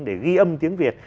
để ghi âm tiếng việt